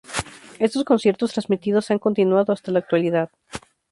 Estos conciertos transmitidos han continuado hasta la actualidad.